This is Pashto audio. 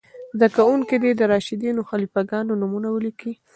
زده کوونکي دې د راشدینو خلیفه ګانو نومونه ولیکئ.